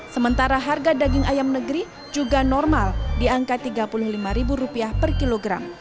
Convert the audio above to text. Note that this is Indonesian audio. sementara harga daging ayam negeri juga normal di angka rp tiga puluh lima per kilogram